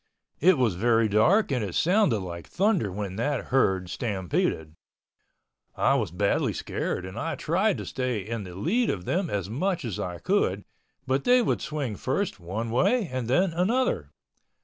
It was very dark and it sounded like thunder when that herd stampeded. I was badly scared and I tried to stay in the lead of them as much as I could, but they would swing first one way and then another.